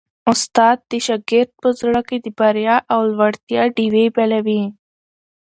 استاد د شاګرد په زړه کي د بریا او لوړتیا ډېوې بلوي.